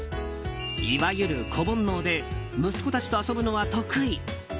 いわゆる子煩悩で息子たちと遊ぶのは得意。